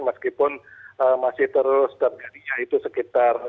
meskipun masih terus terjadinya itu sekitar